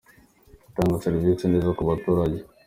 gutanga serivisi neza ku baturage.